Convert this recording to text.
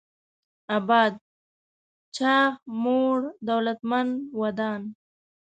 اباد: چاغ، موړ، دولتمن، ودان